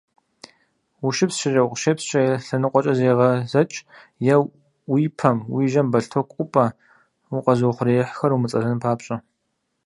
УщыпсчэкӀэ, укъыщепскӀэ лъэныкъуэкӀэ зегъэзэкӀ е уи пэм, уи жьэм бэлътоку ӀупӀэ, укъэзыухъуреихьхэр умыцӀэлэн папщӀэ.